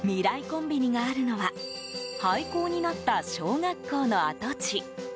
コンビニがあるのは廃校になった小学校の跡地。